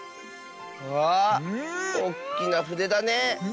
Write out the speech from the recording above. うわあおっきなふでだね。